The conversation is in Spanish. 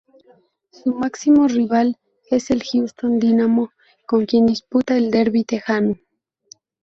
Su máximo rival es el Houston Dynamo con quien disputa el derby tejano.